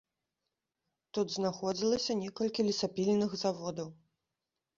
Тут знаходзілася некалькі лесапільных заводаў.